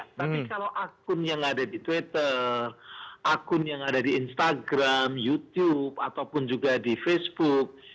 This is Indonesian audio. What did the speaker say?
tapi kalau akun yang ada di twitter akun yang ada di instagram youtube ataupun juga di facebook